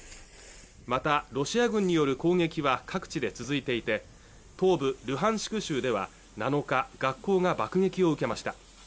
またロシア軍による攻撃は各地で続いていて東部ルハンシク州では７日学校が爆撃を受けました